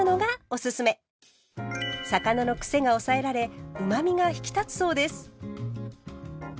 魚のクセが抑えられうまみが引き立つそうです。